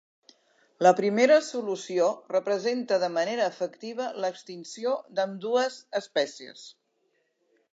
La primera solució representa de manera efectiva l'extinció d'ambdues espècies.